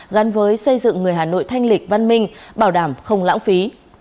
gắn với xây dựng người hà nội thanh lịch văn minh bảo đảm không lãng phí